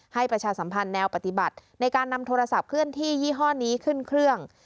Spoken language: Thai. ประชาสัมพันธ์แนวปฏิบัติในการนำโทรศัพท์เคลื่อนที่ยี่ห้อนี้ขึ้นเครื่อง